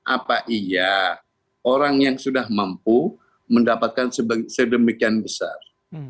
apa iya orang yang sudah mampu mendapatkan sedemikian besar